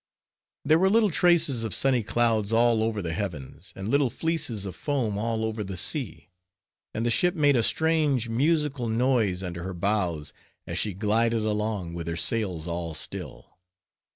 There were little traces of sunny clouds all over the heavens; and little fleeces of foam all over the sea; and the ship made a strange, musical noise under her bows, as she glided along, with her sails all still.